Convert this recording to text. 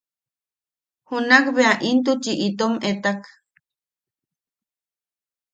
Junak bea intuchi itom etak.